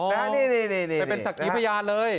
อ๋อเป็นศักยิพยานเลย